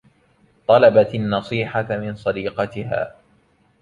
طلبت النّصيحة من صديقتها.